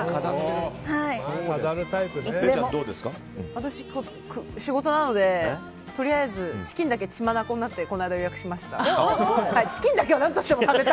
私、仕事なのでとりあえずチキンだけ血眼になって予約しました。